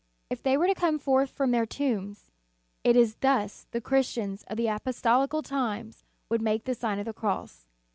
If they were to come forth from their tombs, it is thus the Christians of the apostolical times would make the Sign of the Cross.